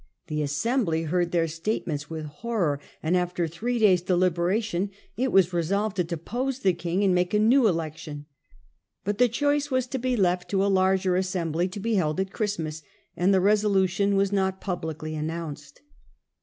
The assembly heard their statements with horror, and after three days' deliberation it was resolved to depose the king and make a new election, but the choice was to be left to a larger assembly to be held at Christmas, and the resolu tion was not publicly announced.